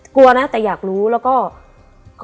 กลัวนะแต่อยากรู้แล้วก็